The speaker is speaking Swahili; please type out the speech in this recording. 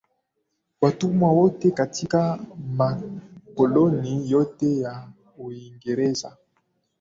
watumwa wote katika makoloni yote ya Uingereza